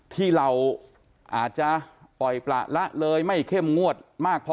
ที่เราอาจจะปล่อยประละเลยไม่เข้มงวดมากพอ